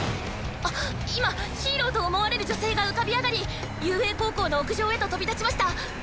あっ今ヒーローと思われる女性が浮かび上がり雄英高校の屋上へと飛び立ちました。